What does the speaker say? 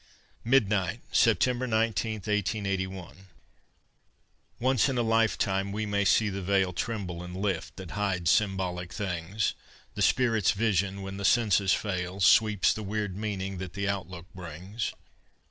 MIDNIGHT SEPTEMBER 19, 1881 Once in a lifetime, we may see the veil Tremble and lift, that hides symbolic things; The Spirit's vision, when the senses fail, Sweeps the weird meaning that the outlook brings.